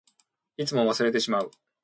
いつも忘れてしまう。